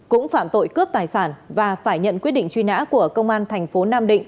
cũng phạm tội cướp tài sản và phải nhận quyết định truy nã của công an tp nam định